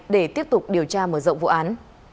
để tiếp tục điều tra mở rộng vụ án